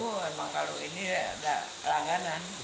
bu emang kalau ini ada langganan